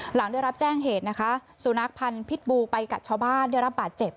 หลังได้รับแจ้งเหตุนะคะสุนัขพันธ์พิษบูไปกัดชาวบ้านได้รับบาดเจ็บ